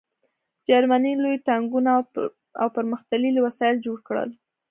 جرمني لوی ټانکونه او پرمختللي وسایل جوړ کړل